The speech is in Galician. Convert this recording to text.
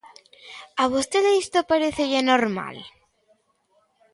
¿A vostede isto parécelle normal?